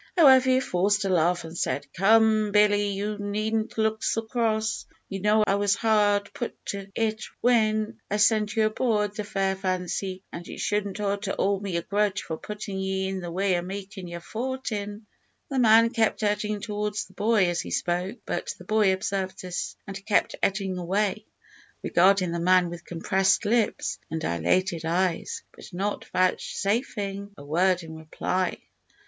However, he forced a laugh and said "Come, Billy, you needn't look so cross. You know I was hard put to it w'en I sent you aboord the `Fair Nancy,' and you shouldn't ought to owe me a grudge for puttin' ye in the way o' makin' yer fortin'." The man kept edging towards the boy as he spoke, but the boy observed this and kept edging away, regarding the man with compressed lips and dilated eyes, but not vouchsafing a word in reply.